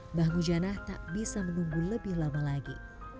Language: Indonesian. mbah mujana tak bisa menunggu lebih lama lagi